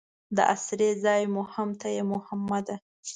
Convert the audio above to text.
د اسرې ځای مو هم ته یې محمده.